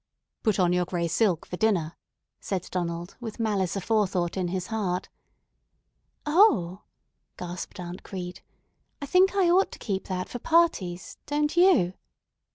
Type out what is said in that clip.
"Put on your gray silk for dinner," said Donald with malice aforethought in his heart. "O," gasped Aunt Crete, "I think I ought to keep that for parties, don't you?"